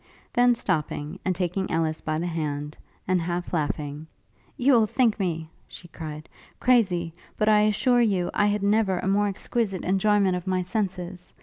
Then stopping, and taking Ellis by the hand, and half laughing, 'You will think me,' she cried, 'crazy; but I assure you I had never a more exquisite enjoyment of my senses.